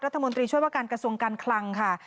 รัฐมนตรีช่วยว่าการกระทรวงการคลังค่ะ